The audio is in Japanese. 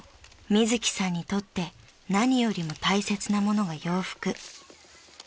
みずきさんにとって何よりも大切なものが洋服］